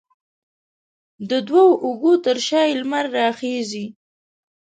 د دوو اوږو تر شا یې لمر راخیژي